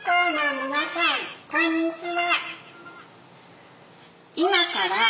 皆さんこんにちは。